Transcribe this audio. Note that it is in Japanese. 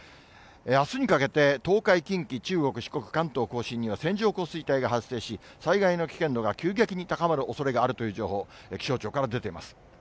あすにかけて、東海、近畿、中国、四国、関東甲信には線状降水帯が発生し、災害の危険度が急激に高まるおそれがあるという情報、気象庁から出ています。